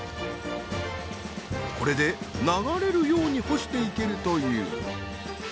これで流れるように干していけるという。